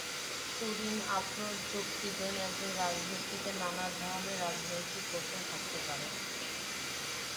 তুরিন আফরোজ যুক্তি দেন, একজন রাজনীতিকের নানা ধরনের রাজনৈতিক কৌশল থাকতে পারে।